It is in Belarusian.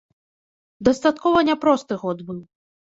Дастаткова няпросты год быў.